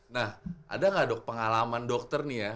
nah ada nggak dok pengalaman dokter nih ya